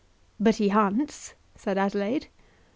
"But he hunts," said Adelaide.